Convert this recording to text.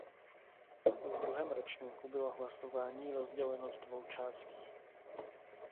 Ve druhém ročníku bylo hlasování rozděleno do dvou částí.